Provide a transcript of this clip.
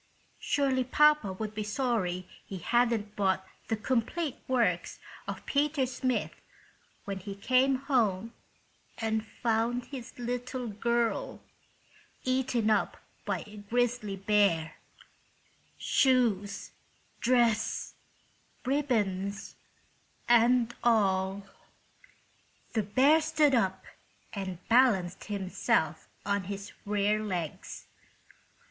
Surely papa would be sorry he hadn't bought the "Complete Works of Peter Smith" when he came home and found his little girl eaten up by a grizzly bear—shoes, dress, ribbons and all! The bear stood up and balanced himself on his rear legs.